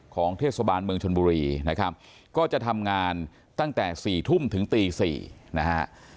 ของเทศบาลเมืองชนบุรีนะครับก็จะทำงานตั้งแต่๔ทุ่มถึงตี๔นะฮะ